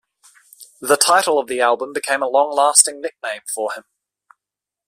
The title of the album became a long lasting nickname for him.